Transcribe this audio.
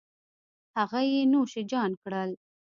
هغه یې نوش جان کړل